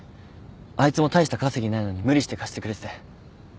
あいつも大した稼ぎないのに無理して貸してくれてて。